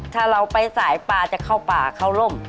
ถ้าเราไปสายป่าจะเข้าป่าเข้าร่ม